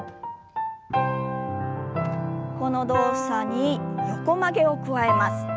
この動作に横曲げを加えます。